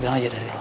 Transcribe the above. bilang aja dari lo